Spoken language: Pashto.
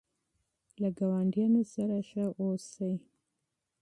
له ګاونډیانو سره ښه اوسئ.